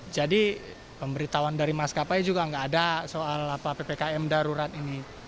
jadi pemberitahuan dari maskapai juga gak ada soal ppkm darurat ini